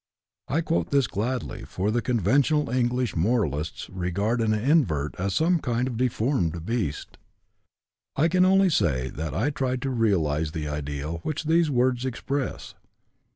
I quote this gladly, for the conventional English moralists regard an invert as a kind of deformed beast. I can only say that I tried to realize the ideal which these words express.